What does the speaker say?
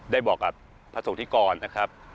ได้บอกกับพระสุธิกรนะครับ